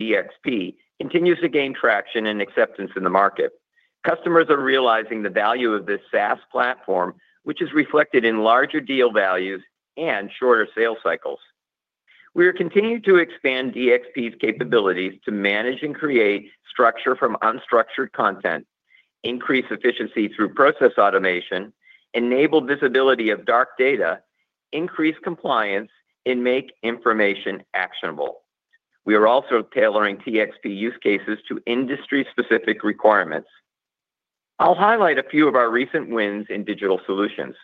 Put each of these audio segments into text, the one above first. DXP continues to gain traction and acceptance in the market. Customers are realizing the value of this SaaS platform, which is reflected in larger deal values and shorter sales cycles. We are continuing to expand DXP's capabilities to manage and create structure from unstructured content, increase efficiency through process automation, enable visibility of dark data, increase compliance, and make information actionable. We are also tailoring DXP use cases to industry-specific requirements. I'll highlight a few of our recent wins in digital solutions.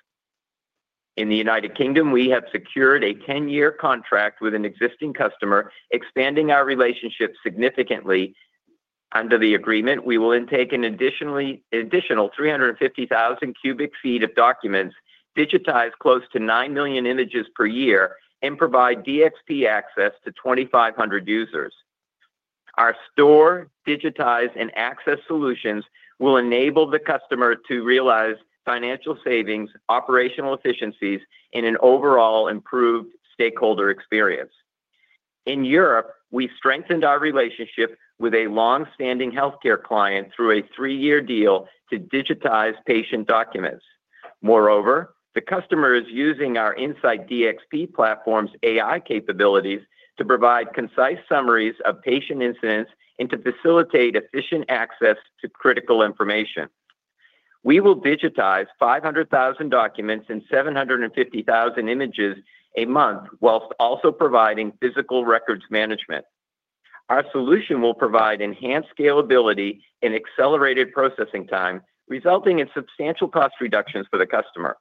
In the United Kingdom, we have secured a 10-year contract with an existing customer, expanding our relationship significantly. Under the agreement, we will intake an additional 350,000 cu ft of documents, digitize close to 9 million images per year, and provide DXP access to 2,500 users. Our store, digitize, and access solutions will enable the customer to realize financial savings, operational efficiencies, and an overall improved stakeholder experience. In Europe, we strengthened our relationship with a longstanding healthcare client through a three-year deal to digitize patient documents. Moreover, the customer is using our InSight DXP platform's AI capabilities to provide concise summaries of patient incidents and to facilitate efficient access to critical information. We will digitize 500,000 documents and 750,000 images a month, while also providing physical records management. Our solution will provide enhanced scalability and accelerated processing time, resulting in substantial cost reductions for the customer.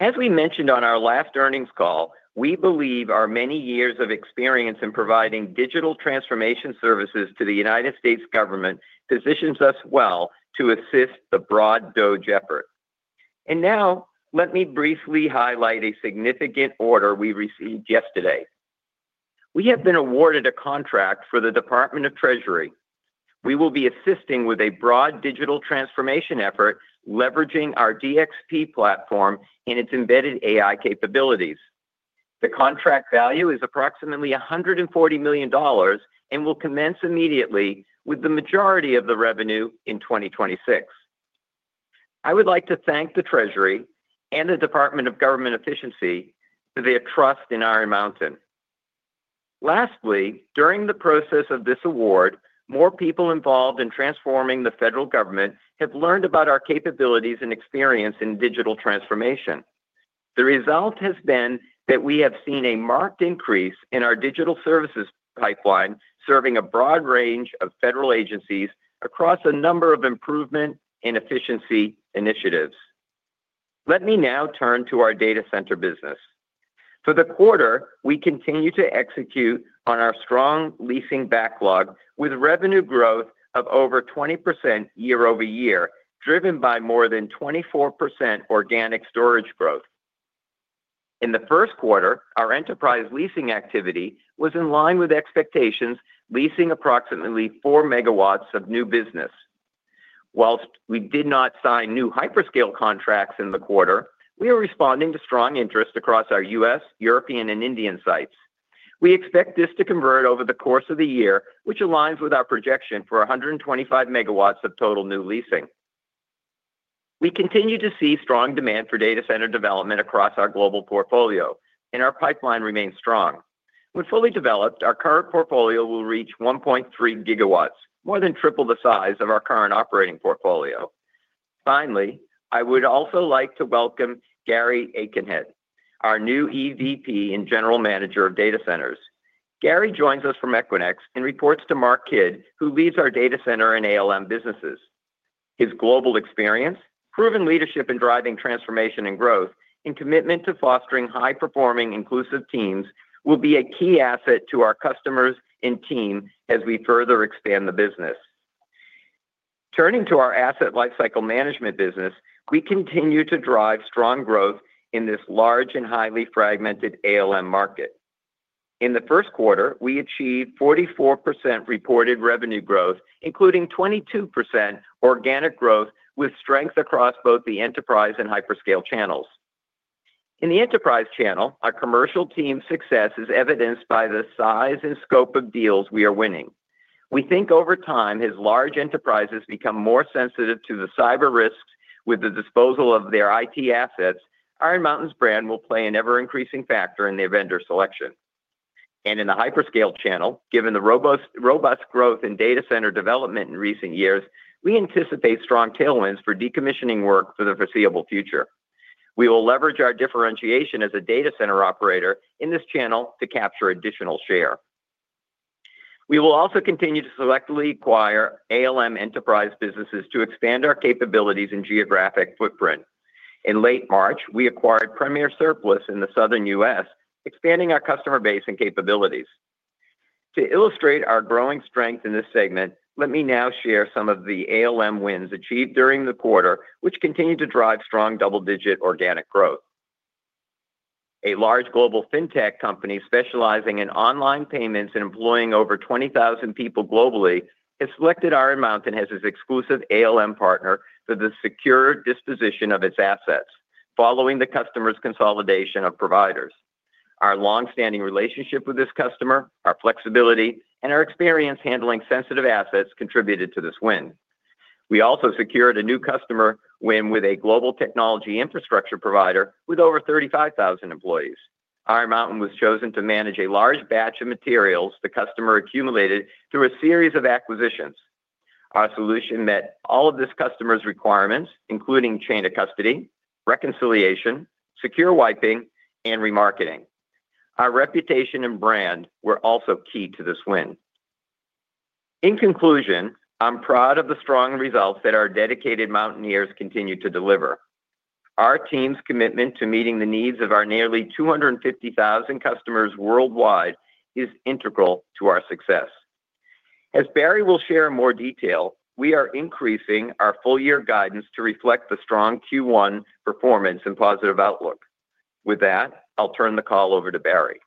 As we mentioned on our last earnings call, we believe our many years of experience in providing digital transformation services to the United States government positions us well to assist the broad DOGE effort. Let me briefly highlight a significant order we received yesterday. We have been awarded a contract for the Department of the Treasury. We will be assisting with a broad digital transformation effort, leveraging our DXP platform and its embedded AI capabilities. The contract value is approximately $140 million and will commence immediately with the majority of the revenue in 2026. I would like to thank the Treasury and the Department of Government Efficiency for their trust in Iron Mountain. Lastly, during the process of this award, more people involved in transforming the federal government have learned about our capabilities and experience in digital transformation. The result has been that we have seen a marked increase in our digital services pipeline serving a broad range of federal agencies across a number of improvement and efficiency initiatives. Let me now turn to our data center business. For the quarter, we continue to execute on our strong leasing backlog with revenue growth of over 20% year-over-year, driven by more than 24% organic storage growth. In the first quarter, our enterprise leasing activity was in line with expectations, leasing approximately 4 MW of new business. Whilst we did not sign new hyperscale contracts in the quarter, we are responding to strong interest across our U.S., European, and Indian sites. We expect this to convert over the course of the year, which aligns with our projection for 125 MW of total new leasing. We continue to see strong demand for data center development across our global portfolio, and our pipeline remains strong. When fully developed, our current portfolio will reach 1.3 GW, more than triple the size of our current operating portfolio. Finally, I would also like to welcome Gary Aitkenhead, our new EVP and General Manager of Data Centers. Gary joins us from Equinix and reports to Mark Kidd, who leads our data center and ALM businesses. His global experience, proven leadership in driving transformation and growth, and commitment to fostering high-performing, inclusive teams will be a key asset to our customers and team as we further expand the business. Turning to our Asset Lifecycle Management business, we continue to drive strong growth in this large and highly fragmented ALM market. In the first quarter, we achieved 44% reported revenue growth, including 22% organic growth with strength across both the enterprise and hyperscale channels. In the enterprise channel, our commercial team's success is evidenced by the size and scope of deals we are winning. We think over time, as large enterprises become more sensitive to the cyber risks with the disposal of their IT assets, Iron Mountain's brand will play an ever-increasing factor in their vendor selection. In the hyperscale channel, given the robust growth in data center development in recent years, we anticipate strong tailwinds for decommissioning work for the foreseeable future. We will leverage our differentiation as a data center operator in this channel to capture additional share. We will also continue to selectively acquire ALM enterprise businesses to expand our capabilities and geographic footprint. In late March, we acquired Premier Surplus in the southern U.S., expanding our customer base and capabilities. To illustrate our growing strength in this segment, let me now share some of the ALM wins achieved during the quarter, which continue to drive strong double-digit organic growth. A large global fintech company specializing in online payments and employing over 20,000 people globally has selected Iron Mountain as its exclusive ALM partner for the secure disposition of its assets, following the customer's consolidation of providers. Our longstanding relationship with this customer, our flexibility, and our experience handling sensitive assets contributed to this win. We also secured a new customer win with a global technology infrastructure provider with over 35,000 employees. Iron Mountain was chosen to manage a large batch of materials the customer accumulated through a series of acquisitions. Our solution met all of this customer's requirements, including chain of custody, reconciliation, secure wiping, and remarketing. Our reputation and brand were also key to this win. In conclusion, I'm proud of the strong results that our dedicated Mountaineers continue to deliver. Our team's commitment to meeting the needs of our nearly 250,000 customers worldwide is integral to our success. As Barry will share in more detail, we are increasing our full-year guidance to reflect the strong Q1 performance and positive outlook. With that, I'll turn the call over to Barry.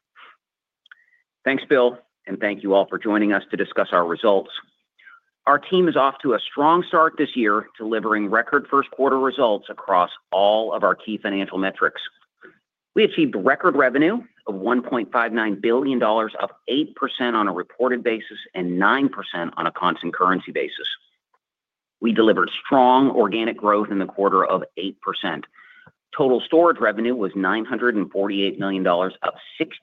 Thanks, Bill, and thank you all for joining us to discuss our results. Our team is off to a strong start this year, delivering record first-quarter results across all of our key financial metrics. We achieved record revenue of $1.59 billion, up 8% on a reported basis and 9% on a constant currency basis. We delivered strong organic growth in the quarter of 8%. Total storage revenue was $948 million, up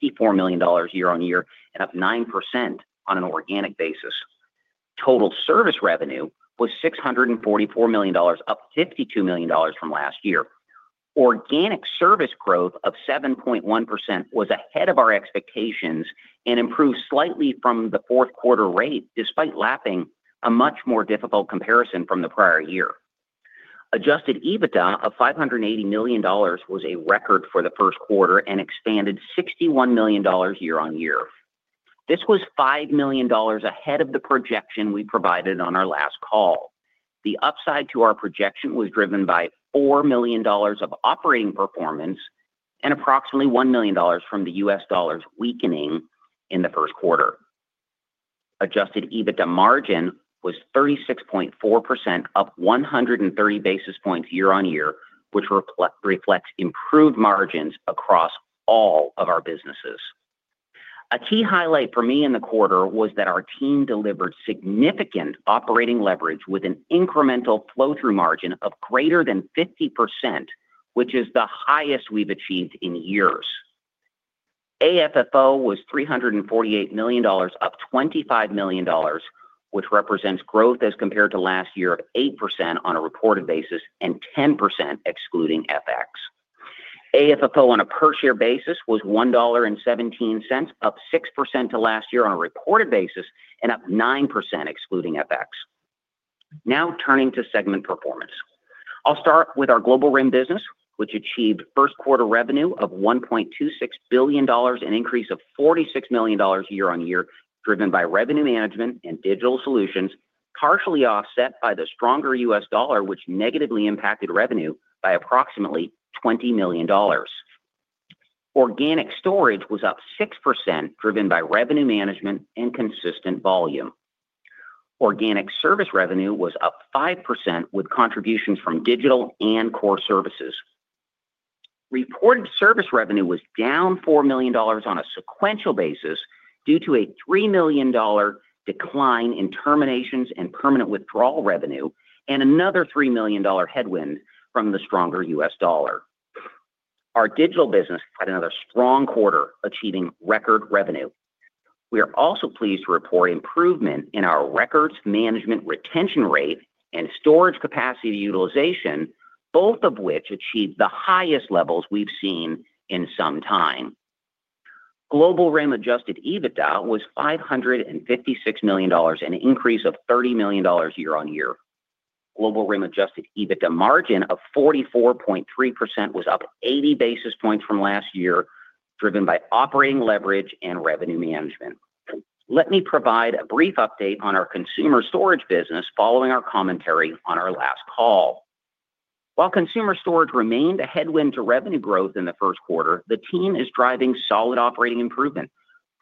$64 million year-on-year, and up 9% on an organic basis. Total service revenue was $644 million, up $52 million from last year. Organic service growth of 7.1% was ahead of our expectations and improved slightly from the fourth-quarter rate, despite lapping a much more difficult comparison from the prior year. Adjusted EBITDA of $580 million was a record for the first quarter and expanded $61 million year-on-year. This was $5 million ahead of the projection we provided on our last call. The upside to our projection was driven by $4 million of operating performance and approximately $1 million from the U.S. dollars weakening in the first quarter. Adjusted EBITDA margin was 36.4%, up 130 basis points year-on-year, which reflects improved margins across all of our businesses. A key highlight for me in the quarter was that our team delivered significant operating leverage with an incremental flow-through margin of greater than 50%, which is the highest we've achieved in years. AFFO was $348 million, up $25 million, which represents growth as compared to last year of 8% on a reported basis and 10% excluding FX. AFFO on a per-share basis was $1.17, up 6% to last year on a reported basis and up 9% excluding FX. Now turning to segment performance, I'll start with our Global RIM business, which achieved first-quarter revenue of $1.26 billion, an increase of $46 million year-on-year, driven by revenue management and digital solutions, partially offset by the stronger U.S. dollar, which negatively impacted revenue by approximately $20 million. Organic storage was up 6%, driven by revenue management and consistent volume. Organic service revenue was up 5%, with contributions from digital and core services. Reported service revenue was down $4 million on a sequential basis due to a $3 million decline in terminations and permanent withdrawal revenue, and another $3 million headwind from the stronger U.S. dollar. Our digital business had another strong quarter, achieving record revenue. We are also pleased to report improvement in our records management retention rate and storage capacity utilization, both of which achieved the highest levels we've seen in some time. Global RIM adjusted EBITDA was $556 million, an increase of $30 million year-on-year. Global RIM adjusted EBITDA margin of 44.3% was up 80 basis points from last year, driven by operating leverage and revenue management. Let me provide a brief update on our consumer storage business following our commentary on our last call. While consumer storage remained a headwind to revenue growth in the first quarter, the team is driving solid operating improvement.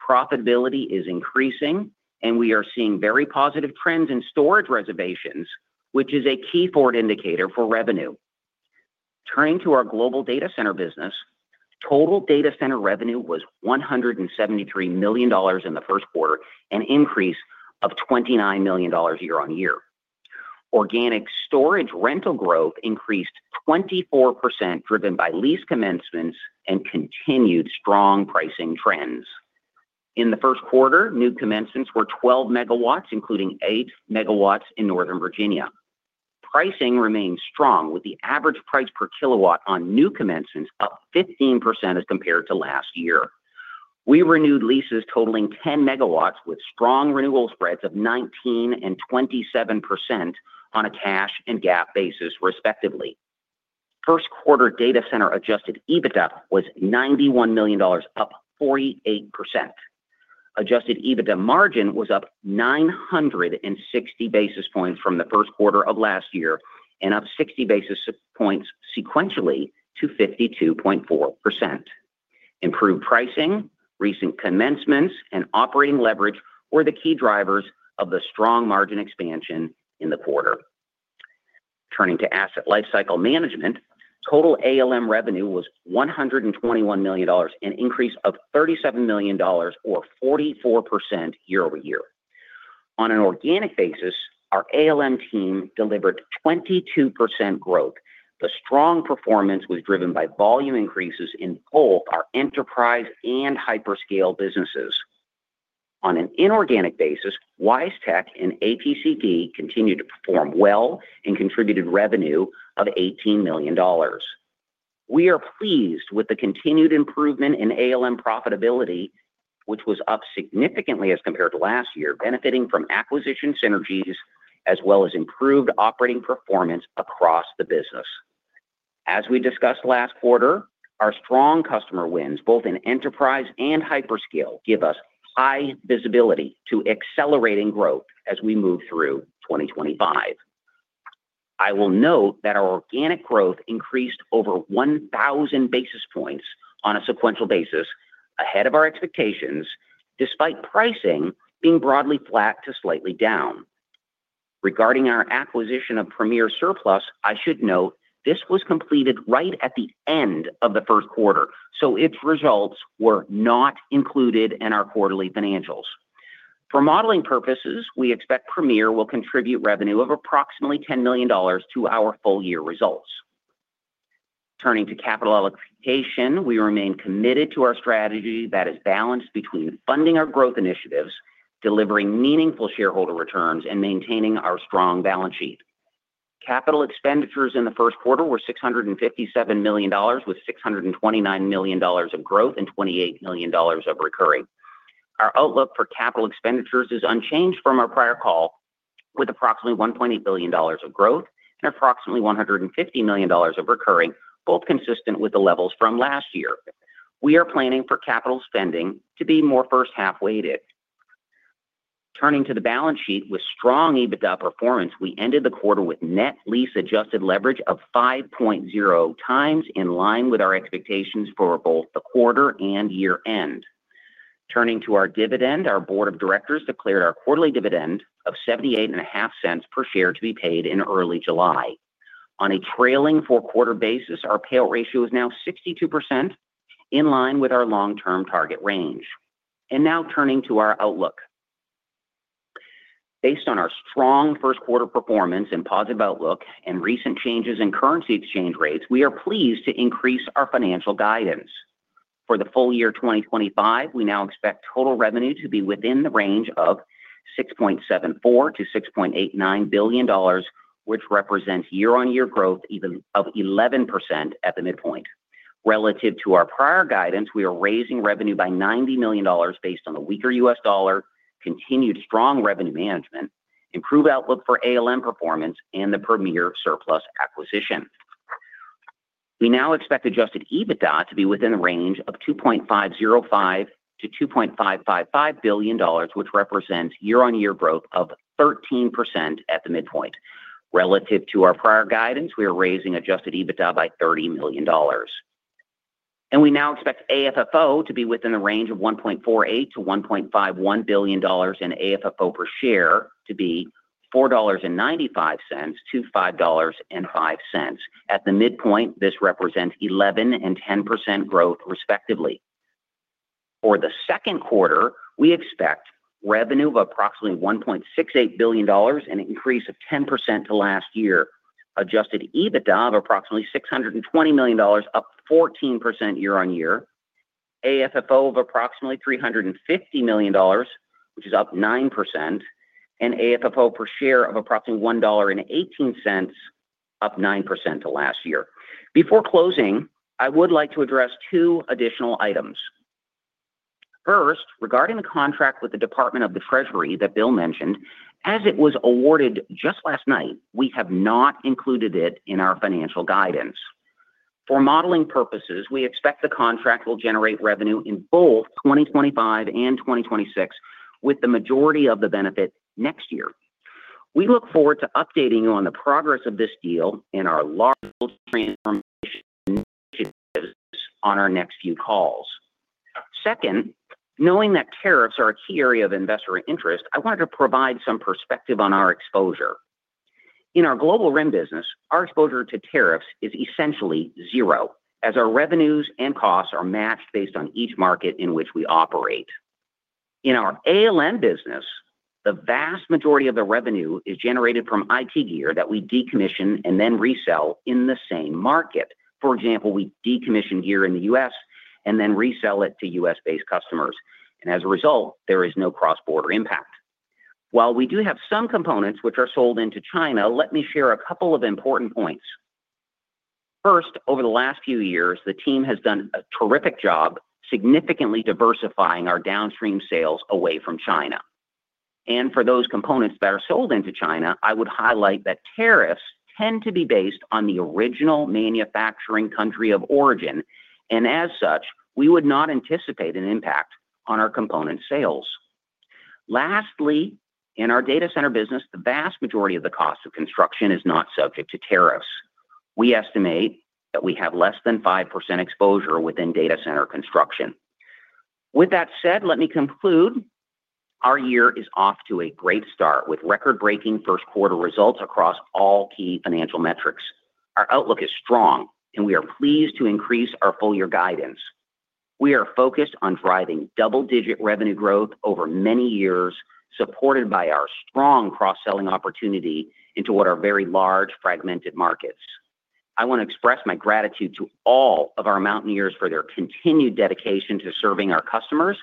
Profitability is increasing, and we are seeing very positive trends in storage reservations, which is a key forward indicator for revenue. Turning to our Global Data Center business, total data center revenue was $173 million in the first quarter, an increase of $29 million year-on-year. Organic storage rental growth increased 24%, driven by lease commencements and continued strong pricing trends. In the first quarter, new commencements were 12 MW, including 8 MW in Northern Virginia. Pricing remains strong, with the average price per kilowatt on new commencements up 15% as compared to last year. We renewed leases totaling 10 MW, with strong renewal spreads of 19% and 27% on a cash and GAAP basis, respectively. First-quarter data center adjusted EBITDA was $91 million, up 48%. Adjusted EBITDA margin was up 960 basis points from the first quarter of last year and up 60 basis points sequentially to 52.4%. Improved pricing, recent commencements, and operating leverage were the key drivers of the strong margin expansion in the quarter. Turning to Asset Lifecycle Management, total ALM revenue was $121 million, an increase of $37 million, or 44% year-over-year. On an organic basis, our ALM team delivered 22% growth. The strong performance was driven by volume increases in both our enterprise and hyperscale businesses. On an inorganic basis, Wisetek and APCD continued to perform well and contributed revenue of $18 million. We are pleased with the continued improvement in ALM profitability, which was up significantly as compared to last year, benefiting from acquisition synergies as well as improved operating performance across the business. As we discussed last quarter, our strong customer wins, both in enterprise and hyperscale, give us high visibility to accelerating growth as we move through 2025. I will note that our organic growth increased over 1,000 basis points on a sequential basis, ahead of our expectations, despite pricing being broadly flat to slightly down. Regarding our acquisition of Premier Surplus, I should note this was completed right at the end of the first quarter, so its results were not included in our quarterly financials. For modeling purposes, we expect Premier will contribute revenue of approximately $10 million to our full-year results. Turning to capital allocation, we remain committed to our strategy that is balanced between funding our growth initiatives, delivering meaningful shareholder returns, and maintaining our strong balance sheet. Capital expenditures in the first quarter were $657 million, with $629 million of growth and $28 million of recurring. Our outlook for capital expenditures is unchanged from our prior call, with approximately $1.8 billion of growth and approximately $150 million of recurring, both consistent with the levels from last year. We are planning for capital spending to be more first-half weighted. Turning to the balance sheet, with strong EBITDA performance, we ended the quarter with net lease-adjusted leverage of 5.0x, in line with our expectations for both the quarter and year-end. Turning to our dividend, our Board of Directors declared our quarterly dividend of $0.78 per share to be paid in early July. On a trailing four-quarter basis, our payout ratio is now 62%, in line with our long-term target range. Now turning to our outlook. Based on our strong first-quarter performance and positive outlook, and recent changes in currency exchange rates, we are pleased to increase our financial guidance. For the full year 2025, we now expect total revenue to be within the range of $6.74 billion-$6.89 billion, which represents year-on-year growth of 11% at the midpoint. Relative to our prior guidance, we are raising revenue by $90 million based on the weaker U.S. dollar, continued strong revenue management, improved outlook for ALM performance, and the Premier Surplus acquisition. We now expect adjusted EBITDA to be within the range of $2.505 billion-$2.555 billion, which represents year-on-year growth of 13% at the midpoint. Relative to our prior guidance, we are raising adjusted EBITDA by $30 million. We now expect AFFO to be within the range of $1.48 billion-$1.51 billion, and AFFO per share to be $4.95-$5.05. At the midpoint, this represents 11% and 10% growth, respectively. For the second quarter, we expect revenue of approximately $1.68 billion, an increase of 10% to last year. Adjusted EBITDA of approximately $620 million, up 14% year-on-year. AFFO of approximately $350 million, which is up 9%, and AFFO per share of approximately $1.18, up 9% to last year. Before closing, I would like to address two additional items. First, regarding the contract with the Department of the Treasury that Bill mentioned, as it was awarded just last night, we have not included it in our financial guidance. For modeling purposes, we expect the contract will generate revenue in both 2025 and 2026, with the majority of the benefit next year. We look forward to updating you on the progress of this deal and our large transformation initiatives on our next few calls. Second, knowing that tariffs are a key area of investor interest, I wanted to provide some perspective on our exposure. In our Global RIM business, our exposure to tariffs is essentially zero, as our revenues and costs are matched based on each market in which we operate. In our ALM business, the vast majority of the revenue is generated from IT gear that we decommission and then resell in the same market. For example, we decommission gear in the U.S. and then resell it to U.S.-based customers. As a result, there is no cross-border impact. While we do have some components which are sold into China, let me share a couple of important points. First, over the last few years, the team has done a terrific job significantly diversifying our downstream sales away from China. For those components that are sold into China, I would highlight that tariffs tend to be based on the original manufacturing country of origin, and as such, we would not anticipate an impact on our component sales. Lastly, in our data center business, the vast majority of the cost of construction is not subject to tariffs. We estimate that we have less than 5% exposure within data center construction. With that said, let me conclude. Our year is off to a great start with record-breaking first-quarter results across all key financial metrics. Our outlook is strong, and we are pleased to increase our full-year guidance. We are focused on driving double-digit revenue growth over many years, supported by our strong cross-selling opportunity into what are very large fragmented markets. I want to express my gratitude to all of our Mountaineers for their continued dedication to serving our customers.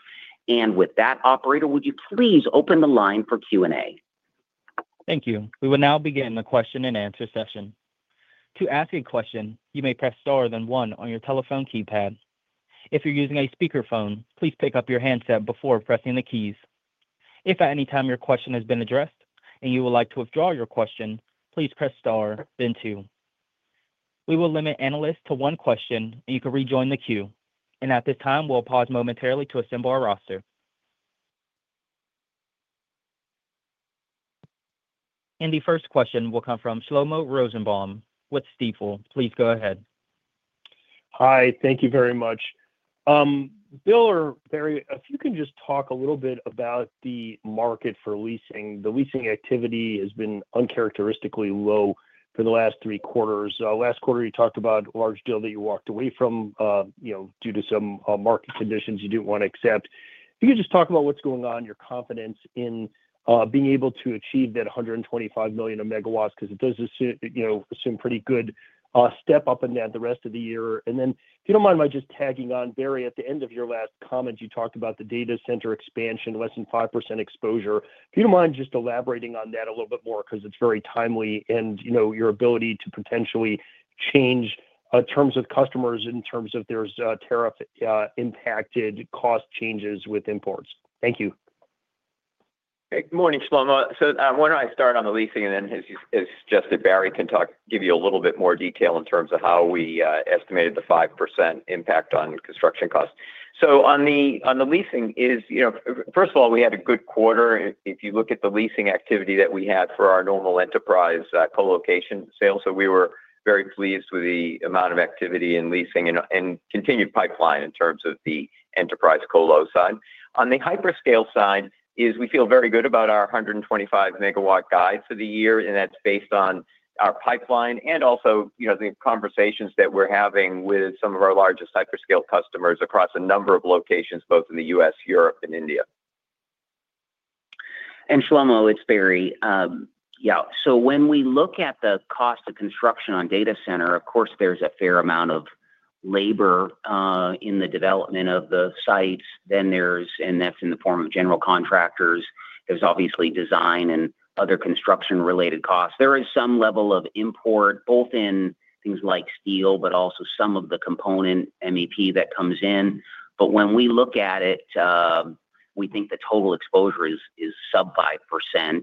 Operator, would you please open the line for Q&A? Thank you. We will now begin the question-and-answer session. To ask a question, you may press star then one on your telephone keypad. If you're using a speakerphone, please pick up your handset before pressing the keys. If at any time your question has been addressed and you would like to withdraw your question, please press star then two. We will limit analysts to one question, and you can rejoin the queue. At this time, we'll pause momentarily to assemble our roster. The first question will come from Shlomo Rosenbaum with Stifel. Please go ahead. Hi. Thank you very much. Bill or Barry, if you can just talk a little bit about the market for leasing. The leasing activity has been uncharacteristically low for the last three quarters. Last quarter, you talked about a large deal that you walked away from due to some market conditions you did not want to accept. If you could just talk about what is going on, your confidence in being able to achieve that $125 million of megawatts, because it does assume a pretty good step up and down the rest of the year. If you do not mind my just tagging on, Barry, at the end of your last comment, you talked about the data center expansion, less than 5% exposure. If you do not mind just elaborating on that a little bit more, because it is very timely, and your ability to potentially change terms with customers in terms of there is tariff-impacted cost changes with imports. Thank you. Good morning, Shlomo. Why do I not start on the leasing, and then as Barry can talk, give you a little bit more detail in terms of how we estimated the 5% impact on construction costs. On the leasing, first of all, we had a good quarter. If you look at the leasing activity that we had for our normal enterprise colocation sales, we were very pleased with the amount of activity in leasing and continued pipeline in terms of the enterprise colo side. On the hyperscale side, we feel very good about our 125 MW guide for the year, and that's based on our pipeline and also the conversations that we're having with some of our largest hyperscale customers across a number of locations, both in the U.S., Europe, and India. Shlomo, it's Barry. Yeah. When we look at the cost of construction on data center, of course, there's a fair amount of labor in the development of the sites. That's in the form of general contractors. There's obviously design and other construction-related costs. There is some level of import, both in things like steel, but also some of the component MEP that comes in. When we look at it, we think the total exposure is sub 5%. Of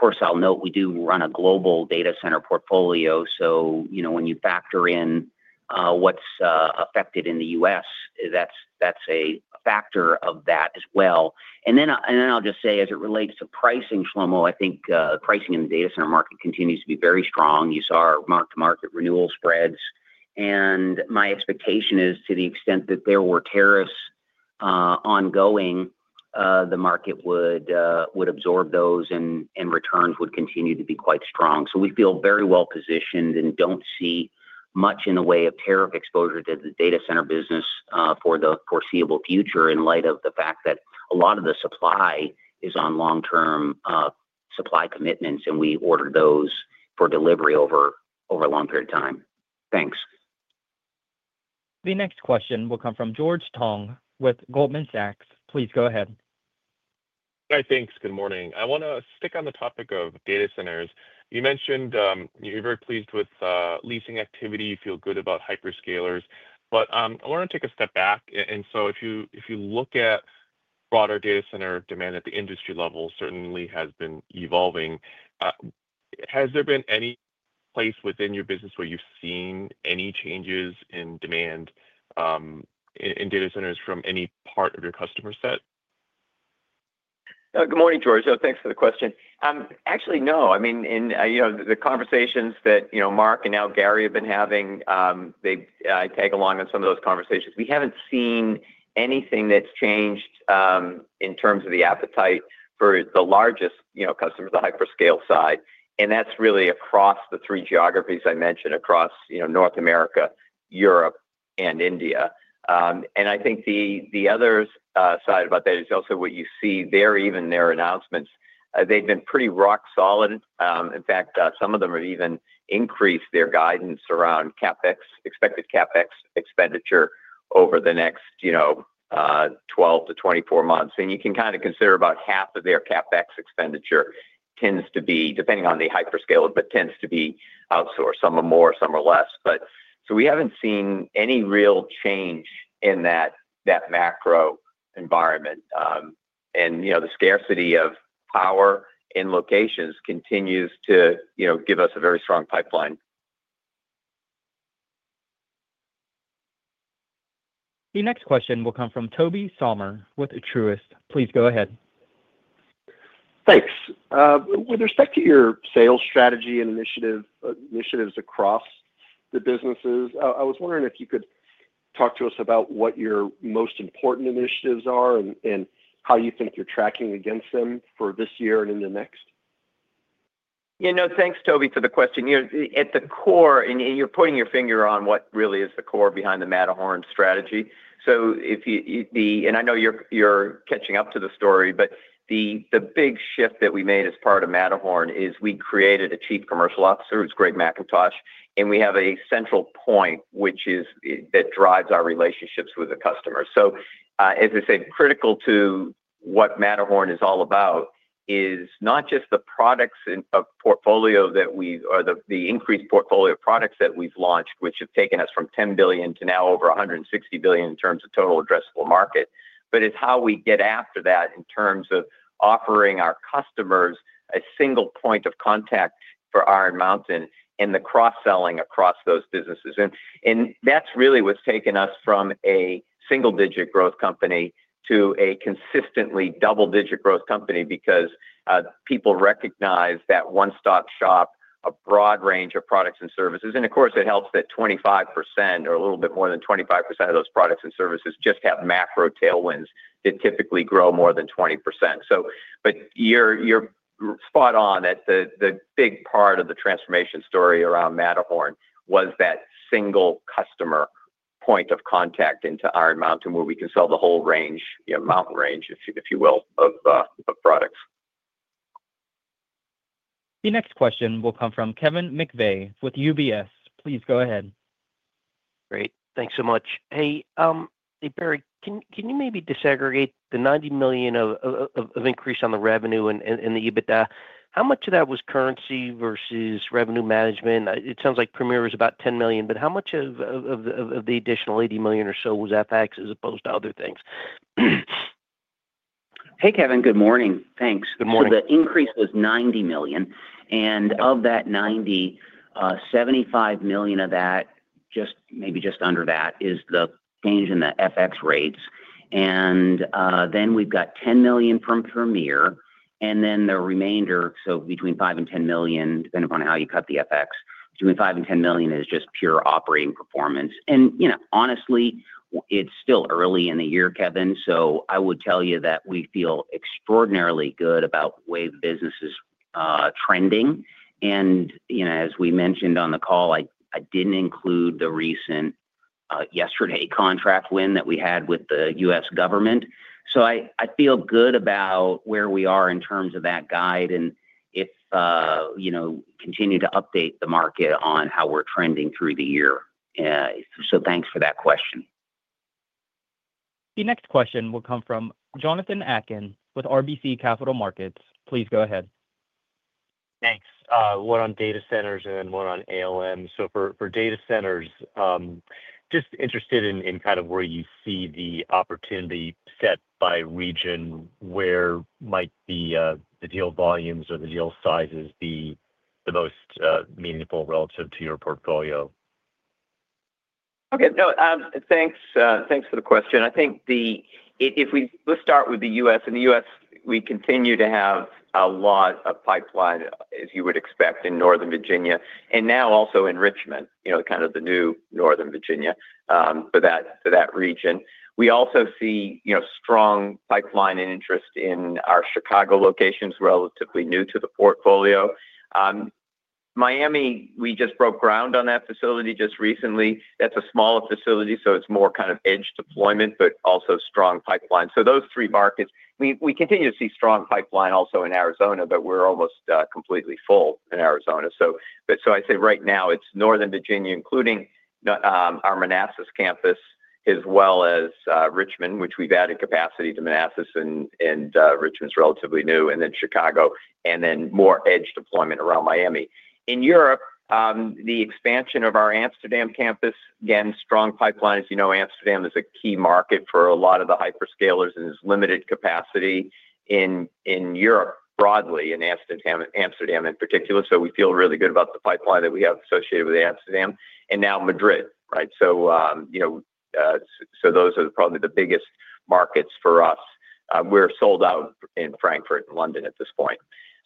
course, I'll note we do run a Global Data Center portfolio. When you factor in what's affected in the U.S., that's a factor of that as well. I'll just say, as it relates to pricing, Shlomo, I think pricing in the data center market continues to be very strong. You saw our mark-to-market renewal spreads. My expectation is, to the extent that there were tariffs ongoing, the market would absorb those, and returns would continue to be quite strong. We feel very well positioned and do not see much in the way of tariff exposure to the data center business for the foreseeable future, in light of the fact that a lot of the supply is on long-term supply commitments, and we order those for delivery over a long period of time. Thanks. The next question will come from George Tong with Goldman Sachs. Please go ahead. Hi. Thanks. Good morning. I want to stick on the topic of data centers. You mentioned you are very pleased with leasing activity. You feel good about hyperscalers. I want to take a step back. If you look at broader data center demand at the industry level, it certainly has been evolving. Has there been any place within your business where you have seen any changes in demand in data centers from any part of your customer set? Good morning, George. Thanks for the question. Actually, no. I mean, in the conversations that Mark and now Gary have been having, I tag along in some of those conversations. We haven't seen anything that's changed in terms of the appetite for the largest customers, the hyperscale side. That is really across the three geographies I mentioned, across North America, Europe, and India. I think the other side about that is also what you see there, even their announcements. They've been pretty rock solid. In fact, some of them have even increased their guidance around expected CapEx expenditure over the next 12-24 months. You can kind of consider about half of their CapEx expenditure tends to be, depending on the hyperscale, but tends to be outsourced. Some are more, some are less. We haven't seen any real change in that macro environment. The scarcity of power in locations continues to give us a very strong pipeline. The next question will come from Tobey Sommer with Truist. Please go ahead. Thanks. With respect to your sales strategy and initiatives across the businesses, I was wondering if you could talk to us about what your most important initiatives are and how you think you're tracking against them for this year and in the next. Yeah. No, thanks, Tobey, for the question. At the core, and you're pointing your finger on what really is the core behind the Matterhorn strategy. I know you're catching up to the story, but the big shift that we made as part of Matterhorn is we created a Chief Commercial Officer. It's Greg McIntosh. We have a central point that drives our relationships with the customers. As I said, critical to what Matterhorn is all about is not just the products portfolio that we or the increased portfolio of products that we've launched, which have taken us from $10 billion to now over $160 billion in terms of total addressable market, but it's how we get after that in terms of offering our customers a single point of contact for Iron Mountain and the cross-selling across those businesses. That's really what's taken us from a single-digit growth company to a consistently double-digit growth company because people recognize that one-stop shop, a broad range of products and services. Of course, it helps that 25% or a little bit more than 25% of those products and services just have macro tailwinds that typically grow more than 20%. You're spot on that the big part of the transformation story around Matterhorn was that single customer point of contact into Iron Mountain where we can sell the whole range, mountain range, if you will, of products. The next question will come from Kevin McVeigh with UBS. Please go ahead. Great. Thanks so much. Hey, Barry, can you maybe disaggregate the $90 million of increase on the revenue and the EBITDA? How much of that was currency versus revenue management? It sounds like Premier was about $10 million, but how much of the additional $80 million or so was FX as opposed to other things? Hey, Kevin. Good morning. Thanks. The increase was $90 million. Of that $90 million, $75 million of that, maybe just under that, is the change in the FX rates. Then we've got $10 million from Premier. The remainder, so between $5 million and $10 million, depending upon how you cut the FX, between $5 million and $10 million is just pure operating performance. Honestly, it's still early in the year, Kevin. I would tell you that we feel extraordinarily good about the way the business is trending. As we mentioned on the call, I didn't include the recent yesterday contract win that we had with the U.S. government. I feel good about where we are in terms of that guide and if continue to update the market on how we're trending through the year. Thanks for that question. The next question will come from Jonathan Atkin with RBC Capital Markets. Please go ahead. Thanks. One on data centers and one on ALM. For data centers, just interested in kind of where you see the opportunity set by region, where might the deal volumes or the deal sizes be the most meaningful relative to your portfolio. Okay. No, thanks for the question. I think if we start with the U.S., in the U.S., we continue to have a lot of pipeline, as you would expect, in Northern Virginia, and now also in Richmond, kind of the new Northern Virginia for that region. We also see strong pipeline and interest in our Chicago locations, relatively new to the portfolio. Miami, we just broke ground on that facility just recently. That's a smaller facility, so it's more kind of edge deployment, but also strong pipeline. Those three markets, we continue to see strong pipeline also in Arizona, but we're almost completely full in Arizona. I'd say right now it's Northern Virginia, including our Manassas campus, as well as Richmond, which we've added capacity to. Manassas and Richmond are relatively new, and then Chicago, and then more edge deployment around Miami. In Europe, the expansion of our Amsterdam campus, again, strong pipeline. As you know, Amsterdam is a key market for a lot of the hyperscalers and is limited capacity in Europe broadly, in Amsterdam in particular. We feel really good about the pipeline that we have associated with Amsterdam. Now Madrid, right? Those are probably the biggest markets for us. We're sold out in Frankfurt and London at this point.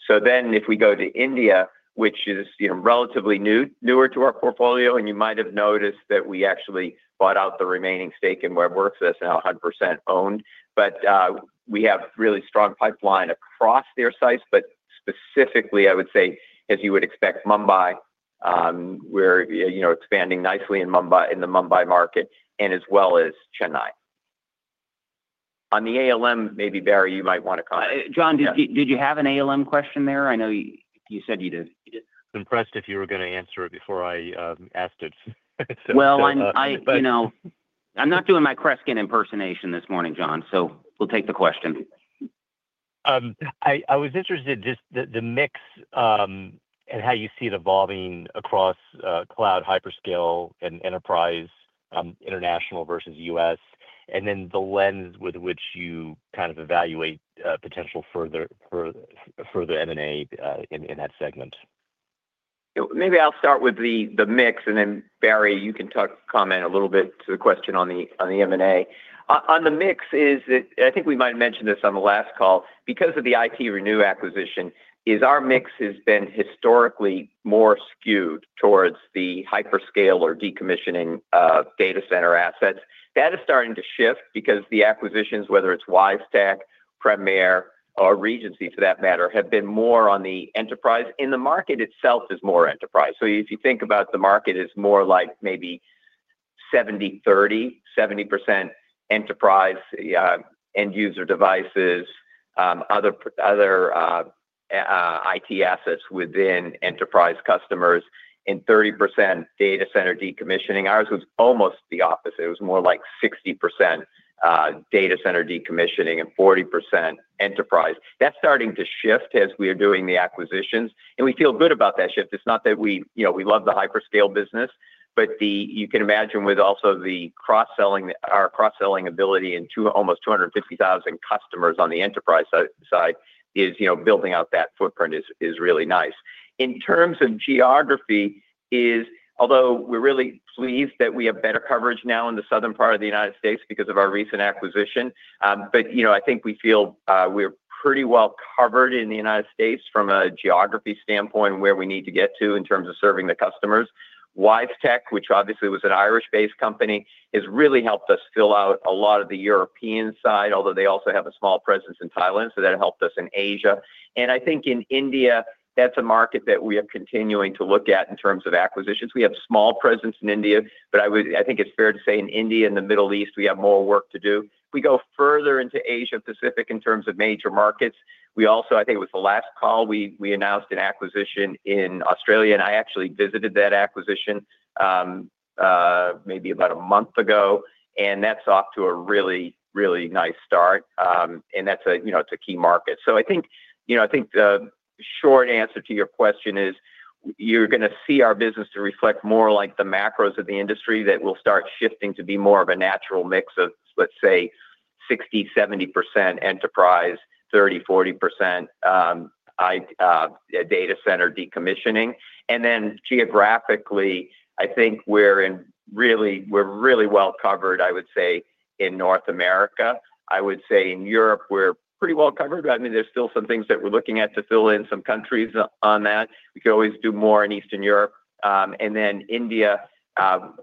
If we go to India, which is relatively newer to our portfolio, you might have noticed that we actually bought out the remaining stake in Web Werks. That's now 100% owned. We have really strong pipeline across their sites. Specifically, I would say, as you would expect, Mumbai, we're expanding nicely in the Mumbai market, and as well as Chennai. On the ALM, maybe Barry, you might want to comment. Jon, did you have an ALM question there? I know you said you did Impressed if you were going to answer it before I asked it. I'm not doing my Kreskin impersonation this morning, Jon, so we'll take the question. I was interested just the mix and how you see it evolving across cloud, hyperscale, and enterprise, international versus U.S., and then the lens with which you kind of evaluate potential for the M&A in that segment. Maybe I'll start with the mix, and then Barry, you can comment a little bit to the question on the M&A. On the mix is that I think we might have mentioned this on the last call. Because of the ITRenew acquisition, our mix has been historically more skewed towards the hyperscale or decommissioning data center assets. That is starting to shift because the acquisitions, whether it's Wisetek, Premier, or Regency, for that matter, have been more on the enterprise. The market itself is more enterprise. If you think about the market, it's more like maybe 70/30, 70% enterprise, end-user devices, other IT assets within enterprise customers, and 30% data center decommissioning. Ours was almost the opposite. It was more like 60% data center decommissioning and 40% enterprise. That's starting to shift as we are doing the acquisitions. We feel good about that shift. It's not that we love the hyperscale business, but you can imagine with also our cross-selling ability and almost 250,000 customers on the enterprise side, building out that footprint is really nice. In terms of geography, although we're really pleased that we have better coverage now in the southern part of the United States because of our recent acquisition, I think we feel we're pretty well covered in the United States from a geography standpoint where we need to get to in terms of serving the customers. Wisetek, which obviously was an Irish-based company, has really helped us fill out a lot of the European side, although they also have a small presence in Thailand. That helped us in Asia. I think in India, that's a market that we are continuing to look at in terms of acquisitions. We have a small presence in India, but I think it's fair to say in India, in the Middle East, we have more work to do. If we go further into Asia-Pacific in terms of major markets, we also, I think it was the last call, we announced an acquisition in Australia. I actually visited that acquisition maybe about a month ago. That's off to a really, really nice start. That's a key market. I think the short answer to your question is you're going to see our business reflect more like the macros of the industry that will start shifting to be more of a natural mix of, let's say, 60%-70% enterprise, 30%-40% data center decommissioning. Geographically, I think we're really well covered, I would say, in North America. I would say in Europe, we're pretty well covered. I mean, there's still some things that we're looking at to fill in some countries on that. We could always do more in Eastern Europe. Then India,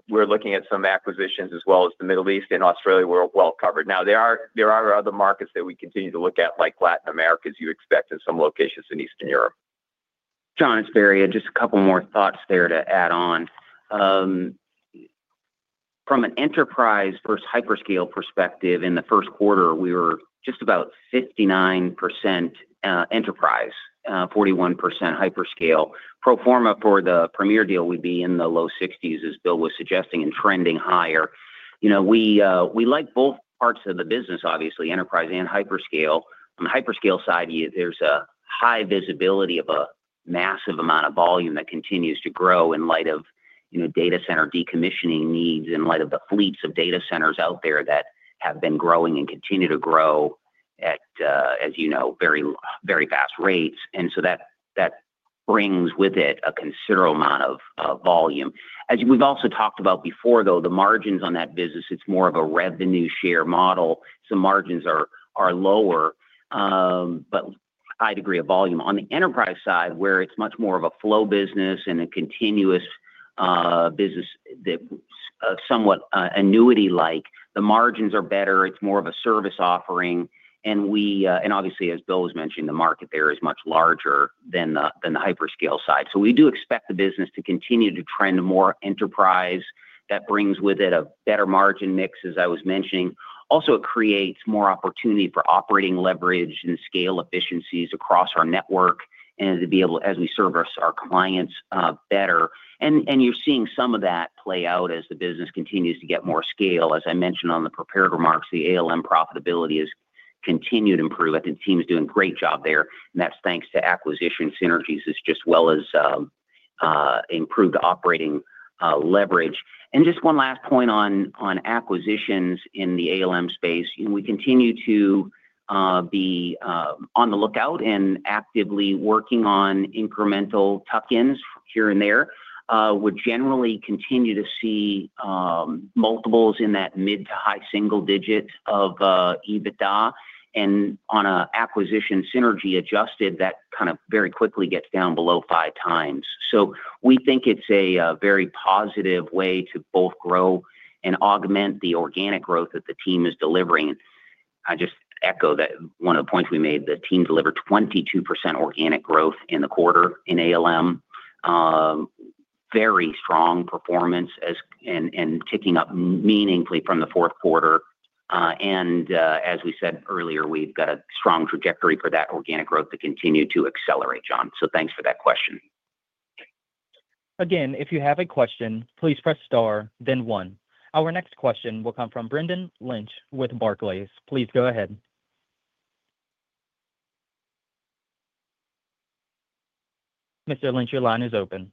we're looking at some acquisitions as well as the Middle East. In Australia, we're well covered. Now, there are other markets that we continue to look at, like Latin America, as you expect, and some locations in Eastern Europe. Jon, it's Barry. Just a couple more thoughts there to add on. From an enterprise versus hyperscale perspective, in the first quarter, we were just about 59% enterprise, 41% hyperscale. Pro forma for the Premier deal would be in the low 60s, as Bill was suggesting, and trending higher. We like both parts of the business, obviously, enterprise and hyperscale. On the hyperscale side, there's a high visibility of a massive amount of volume that continues to grow in light of data center decommissioning needs, in light of the fleets of data centers out there that have been growing and continue to grow at, as you know, very fast rates. That brings with it a considerable amount of volume. As we've also talked about before, though, the margins on that business, it's more of a revenue share model. Some margins are lower, but a high degree of volume. On the enterprise side, where it's much more of a flow business and a continuous business, somewhat annuity-like, the margins are better. It's more of a service offering. Obviously, as Bill was mentioning, the market there is much larger than the hyperscale side. We do expect the business to continue to trend more enterprise. That brings with it a better margin mix, as I was mentioning. Also, it creates more opportunity for operating leverage and scale efficiencies across our network and to be able, as we serve our clients, better. You are seeing some of that play out as the business continues to get more scale. As I mentioned on the prepared remarks, the ALM profitability has continued to improve. I think the team is doing a great job there. That is thanks to acquisition synergies as well as improved operating leverage. Just one last point on acquisitions in the ALM space. We continue to be on the lookout and actively working on incremental tuck-ins here and there. We are generally continuing to see multiples in that mid to high single digit of EBITDA. On an acquisition synergy adjusted, that kind of very quickly gets down below 5x. We think it's a very positive way to both grow and augment the organic growth that the team is delivering. I just echo one of the points we made. The team delivered 22% organic growth in the quarter in ALM. Very strong performance and ticking up meaningfully from the fourth quarter. As we said earlier, we've got a strong trajectory for that organic growth to continue to accelerate, Jon. Thanks for that question. Again, if you have a question, please press star, then one. Our next question will come from Brendan Lynch with Barclays. Please go ahead. Mr. Lynch, your line is open.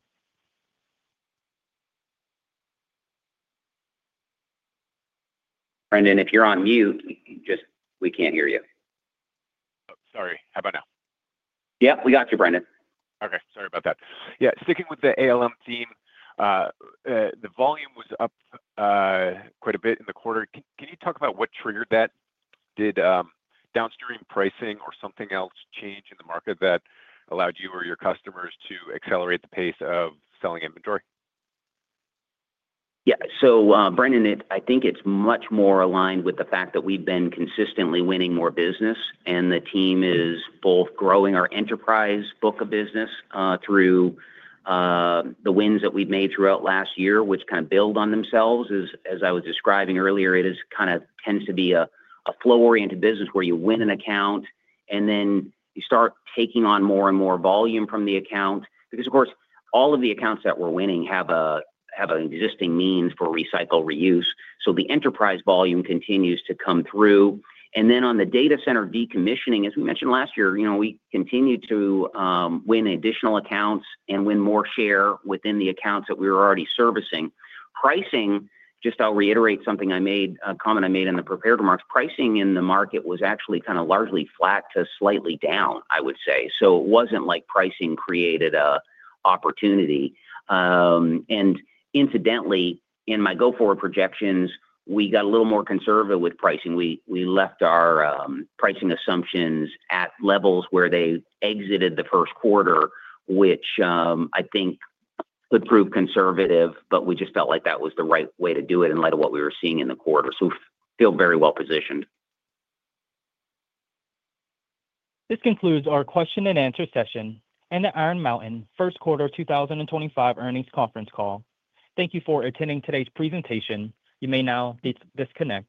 Brendan, if you're on mute, we can't hear you. Sorry. How about now? Yep. We got you, Brendan. Okay. Sorry about that. Yeah. Sticking with the ALM team, the volume was up quite a bit in the quarter. Can you talk about what triggered that? Did downstream pricing or something else change in the market that allowed you or your customers to accelerate the pace of selling inventory? Yeah. Brendan, I think it's much more aligned with the fact that we've been consistently winning more business. The team is both growing our enterprise book of business through the wins that we've made throughout last year, which kind of build on themselves. As I was describing earlier, it kind of tends to be a flow-oriented business where you win an account, and then you start taking on more and more volume from the account. Because, of course, all of the accounts that we're winning have an existing means for recycle, reuse. The enterprise volume continues to come through. On the data center decommissioning, as we mentioned last year, we continued to win additional accounts and win more share within the accounts that we were already servicing. Pricing, just I'll reiterate something I made, a comment I made in the prepared remarks. Pricing in the market was actually kind of largely flat to slightly down, I would say. It was not like pricing created an opportunity. Incidentally, in my go-forward projections, we got a little more conservative with pricing. We left our pricing assumptions at levels where they exited the first quarter, which I think could prove conservative, but we just felt like that was the right way to do it in light of what we were seeing in the quarter. We feel very well positioned. This concludes our question-and-answer session and the Iron Mountain first quarter 2025 earnings conference call. Thank you for attending today's presentation. You may now disconnect.